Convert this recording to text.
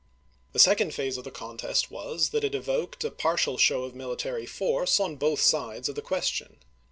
The second phase of the contest was, that it evoked a partial show of military force on both sides of the question.